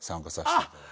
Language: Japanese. あっ！